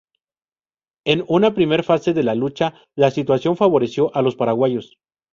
En una primer fase de la lucha la situación favoreció a los paraguayos.